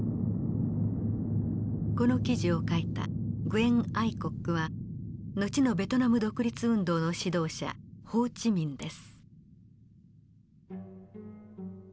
この記事を書いた阮愛国は後のベトナム独立運動の指導者ホー・チ・ミンです。